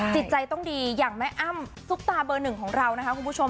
จิตใจต้องดีอย่างแม่อ้ำซุปตาเบอร์หนึ่งของเรานะคะคุณผู้ชม